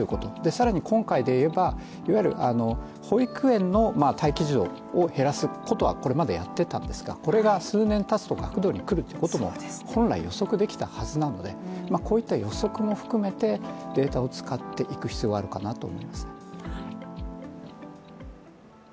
更に今回で言えば、いわゆる保育園の待機児童を減らすことはこれまでやっていたんですがこれが数年たつと学童に来るということも本来予測できたはずなので、こういった予測を含めてデータを使っていく必要があるかなと思います